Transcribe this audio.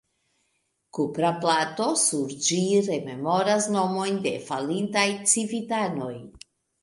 Kupra plato sur ĝi rememoras nomojn de falintaj civitanoj.